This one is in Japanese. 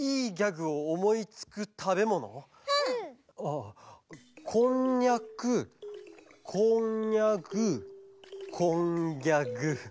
あこんにゃくこんにゃぐこんぎゃぐ。